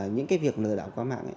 những cái việc lừa đảo qua mạng